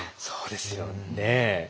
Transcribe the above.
そうですよね。